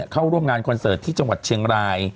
เข้าร่วมงานคอนเสิร์ตที่จังหวัดเชียงราย